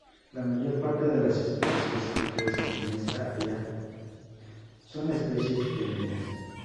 La mayor parte de las especies que crecen en esta área son especies pioneras.